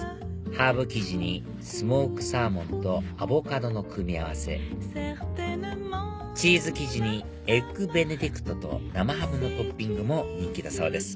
ハーブ生地にスモークサーモンとアボカドの組み合わせチーズ生地にエッグベネディクトと生ハムのトッピングも人気だそうです